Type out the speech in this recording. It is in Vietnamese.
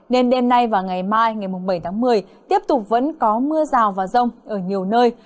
nên đêm nay và ngày mai ngày bảy tháng một mươi tiếp tục vẫn có mưa rào và rông ở nhiều nơi